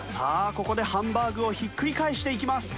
ここでハンバーグをひっくり返していきます。